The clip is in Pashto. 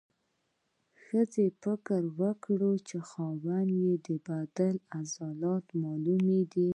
ښځې فکر وکړ چې د خاوند د بدن عضلات راته معلوم دي.